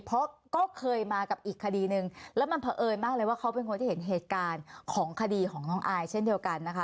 เพราะก็เคยมากับอีกคดีนึงแล้วมันเผอิญมากเลยว่าเขาเป็นคนที่เห็นเหตุการณ์ของคดีของน้องอายเช่นเดียวกันนะคะ